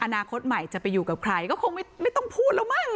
อนาคตใหม่จะไปอยู่กับใครก็คงไม่ต้องพูดแล้วมั้ง